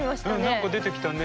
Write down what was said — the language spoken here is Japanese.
何か出てきたね。